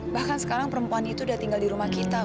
bahkan sekarang perempuan itu udah tinggal di rumah kita